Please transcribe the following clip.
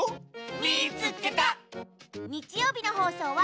「みいつけた！」。